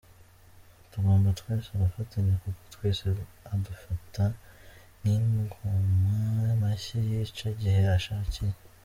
Tugomba twese gufatanya kuko twese adufata nk’inkoma mashyi yica igihe ashakiye.